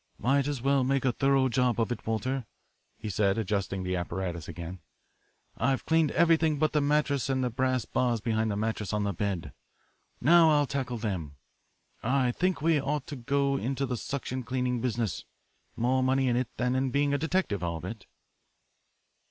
"Might as well make a thorough job of it, Walter," he said, adjusting the apparatus again. "I've cleaned everything but the mattress and the brass bars behind the mattress on the bed. Now I'll tackle them. I think we ought to go into the suction cleaning business more money in it than in being a detective, I'll bet."